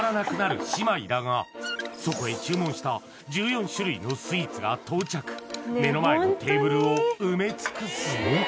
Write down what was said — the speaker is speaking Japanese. そこへ注文した１４種類のスイーツが到着目の前のテーブルを埋め尽くす